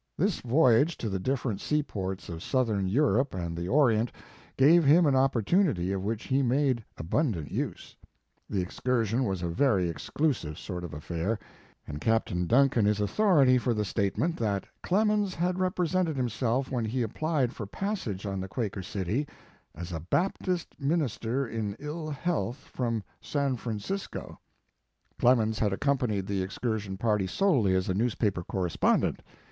This voyage to the different seaports of Southern Europe and the Orient gave him an opportunity of which he made abundant use. The excursion was a very exclusive sort of affair, and Captain Duncan is authority for the statement that Clemens had represented himself when he applied for passage on the "Quaker City," as a Baptist minister in ill health, from San Francisco. His Life and Work. Clemens had accompanied the excur sion party solely as a newspaper corres pondent.